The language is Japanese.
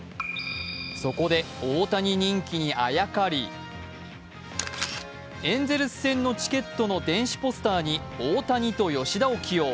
そこで大谷人気にあやかりエンゼルス戦のチケットの電子ポスターに大谷と吉田を起用。